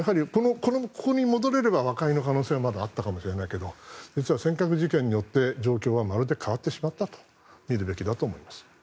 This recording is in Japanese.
ここに戻れれば和解の可能性はまだあったかもしれないけど実は尖閣事件によって状況はまるで変わってしまったと見るべきだと思います。